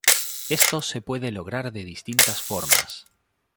Esto se puede lograr de distintas formas.